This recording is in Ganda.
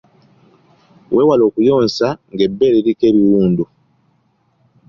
Weewale okuyonsa ng’ebbeere liriko ebiwundu.